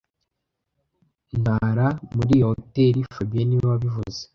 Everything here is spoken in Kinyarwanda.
Ndara muri iyo hoteri fabien niwe wabivuze